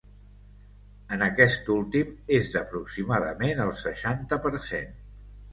En aquest últim és d’aproximadament el seixanta per cent.